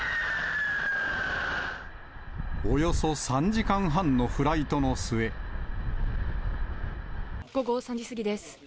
およそ３時間半のフライトの午後３時過ぎです。